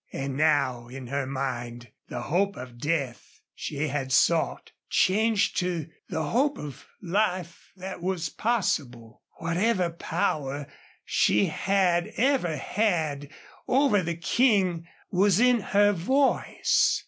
And now in her mind the hope of the death she had sought changed to the hope of life that was possible. Whatever power she had ever had over the King was in her voice.